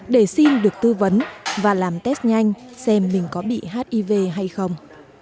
để xin được tư vấn và làm test nhanh xem mình có bị hiv hay không